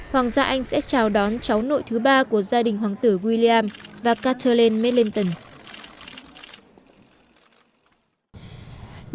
hoàng gia anh sẽ chào đón cháu nội thứ ba của gia đình hoàng tử william và catelyn melenton